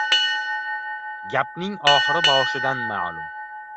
• Gapning oxiri boshidan ma’lum.